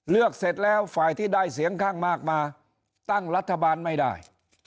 เสร็จแล้วฝ่ายที่ได้เสียงข้างมากมาตั้งรัฐบาลไม่ได้